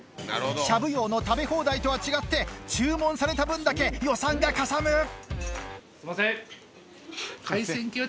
「しゃぶ葉」の食べ放題とは違って注文された分だけ予算がかさむ。